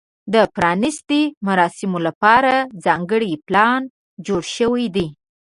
د پرانیستې مراسمو لپاره ځانګړی پلان جوړ شوی دی.